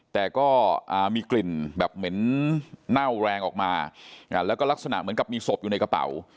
แต่ก็มีกลิ่นแบบเหม็นเน่าแรงออกมาแล้วก็ลักษณะเหมือนกับมีศพอยู่ในกระเป๋า